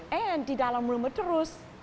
dan di dalam rumah terus